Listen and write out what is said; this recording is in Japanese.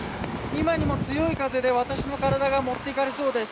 今にも強い風で私の体が持って行かれそうです。